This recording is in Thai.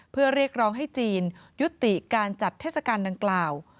เพื่อเรียกร้องให้จีนยุติการจัดเทศกาลดังกล่าว